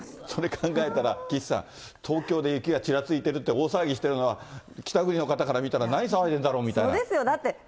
それ考えたら、岸さん、東京で雪がちらついてるって大騒ぎしてるのは、北国の方から見たら何騒いでんだろうって。